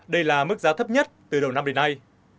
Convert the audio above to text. đây là mức giá thấp nhất từ đầu năm đến nay